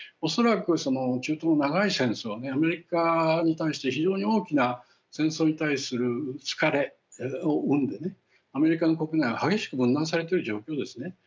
恐らく中東の長い戦争はアメリカに対して非常に大きな戦争に対する疲れを生んでねアメリカの国内は激しく分断されてる状況ですね。